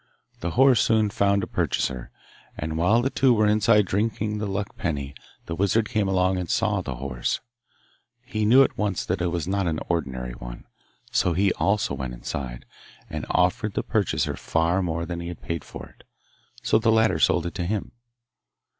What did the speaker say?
The horse soon found a purchaser, and while the two were inside drinking the luck penny the wizard came along and saw the horse. He knew at once that it was not an ordinary one, so he also went inside, and offered the purchaser far more than he had paid for it, so the latter sold it to him.